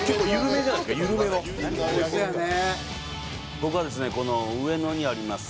僕はですね上野にあります